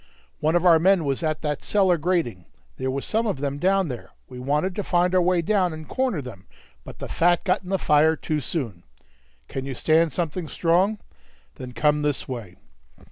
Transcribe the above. One of our men was at that cellar grating; there was some of them down there; we wanted to find our way down and corner them, but the fat got in the fire too soon. Can you stand something strong? Then come this way."